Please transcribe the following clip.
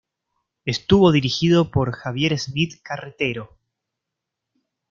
Estuvo dirigido por Javier Smith Carretero.